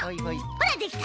ほらできた！